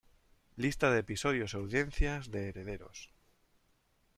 Lista de episodios y audiencias de Herederos.